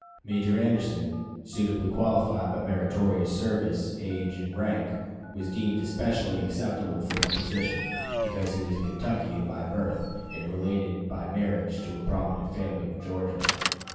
Major Anderson, suitably qualified by meritorious service, age, and rank, was deemed especially acceptable for the position because he was a Kentuckian by birth, and related by marriage to a prominent family of Georgia.